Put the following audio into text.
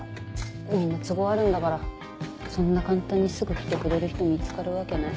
みんな都合あるんだからそんな簡単にすぐ来てくれる人見つかるわけない。